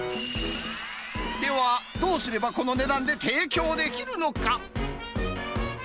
では、どうすればこの値段で提供できるのか。